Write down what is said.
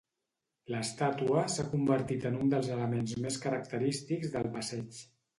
L'estàtua s'ha convertit en un dels elements més característics del passeig.